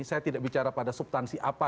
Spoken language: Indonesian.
saya tidak bicara pada subtansi apa